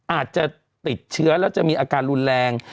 อาจจะติดเชื้อแล้วจะมีอาการรุนแรง